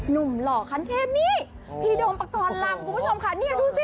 นุ่มหล่อขั้นเทปนี้พี่โดมปักตอนลำคุณผู้ชมค่ะนี่ดูสิ